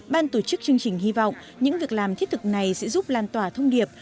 ban tổ chức chương trình hy vọng những việc làm thiết thực này sẽ giúp lan tỏa thông điệp